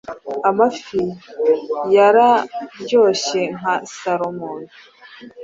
Amafi yararyoshye nka salmon.